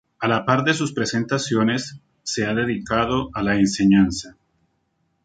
A la par de sus presentaciones, se ha dedicado a la enseñanza.